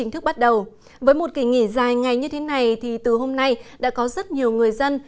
trước bắt đầu với một kỳ nghỉ dài ngay như thế này thì từ hôm nay đã có rất nhiều người dân